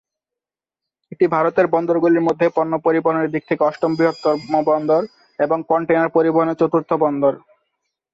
এটি ভারতের বন্দরগুলির মধ্যে পণ্য পরিবহনের দিক থেকে অষ্টম বৃহত্তম বন্দর এবং কন্টেইনার পরিবহনে চতুর্থ বৃহত্তম বন্দর।